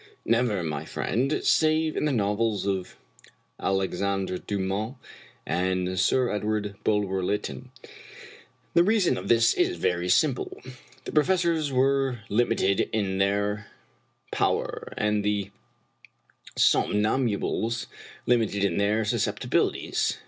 Never, my friend, save in the novels of Alex andre Dumas and Sir Edward Bulwer Lytton. The reason of this is very simple. The professors were limited in their power, and the somnambules limited in their susceptibilities.